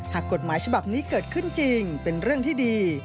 หากกฎหมายฉบับนี้เกิดขึ้นจริงเป็นเรื่องที่ดี